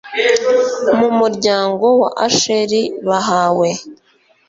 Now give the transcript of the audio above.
mu muryango wa asheri bahawe